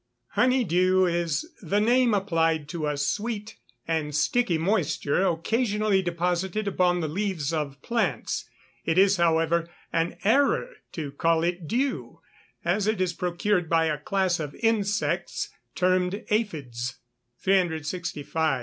_ Honey dew is the name applied to a sweet and sticky moisture occasionally deposited upon the leaves of plants. It is, however, an error to call it dew, as it is procured by a class of insects termed aphides. 365.